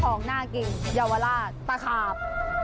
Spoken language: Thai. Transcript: ของน่ากินเยาวราชตะขาบ